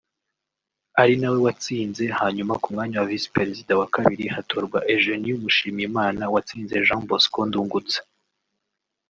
ari nawe watsinze hanyuma ku mwanya wa Visi Perezida wa Kabiri hatorwa Eugenie Mushimiyimana watsinze Jean Bosco Ndungutse